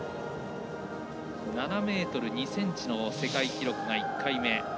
７ｍ２ｃｍの世界記録が１回目。